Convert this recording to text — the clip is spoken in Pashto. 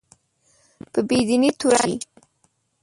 په بې دینۍ تورن شي